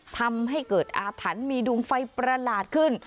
ทำให้เกิดอาถรรพ์มีดวงไฟประหลาดขึ้น